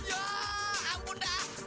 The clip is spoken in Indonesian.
ya ampun dah